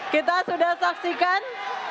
kita sudah saksikan